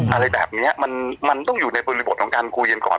อะไรแบบนี้มันต้องอยู่ในบริบทของการคุยกันก่อน